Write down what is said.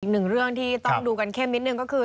อีกหนึ่งเรื่องที่ต้องดูกันเข้มนิดนึงก็คือ